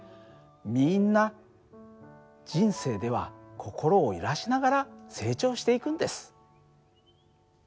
みんな人生では心を揺らしながら成長していくんです。